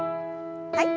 はい。